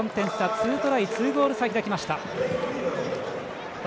２トライ、２ゴール差開きました。